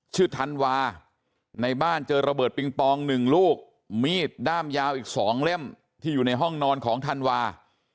ธันวาในบ้านเจอระเบิดปิงปอง๑ลูกมีดด้ามยาวอีก๒เล่มที่อยู่ในห้องนอนของธันวา